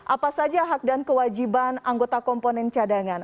apa saja hak dan kewajiban anggota komponen cadangan